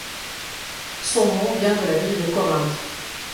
Son nom vient de la ville de Corinthe.